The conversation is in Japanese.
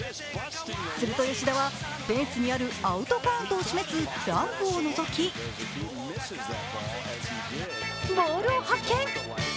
すると、吉田はフェンスにあるアウトカウントを示すランプをのぞきボールを発見。